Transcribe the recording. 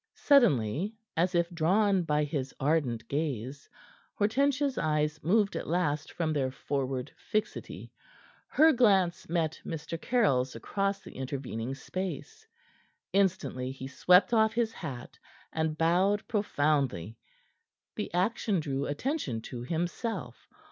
Suddenly, as if drawn by his ardent gaze, Hortensia's eyes moved at last from their forward fixity. Her glance met Mr. Caryll's across the intervening space. Instantly he swept off his hat, and bowed profoundly. The action drew attention to himself.